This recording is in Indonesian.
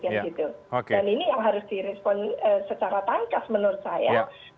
dan ini yang harus direspon secara tangkas menurut saya